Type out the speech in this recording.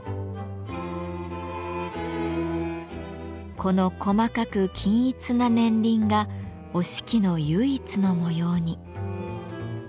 この細かく均一な年輪が折敷の唯一の模様に。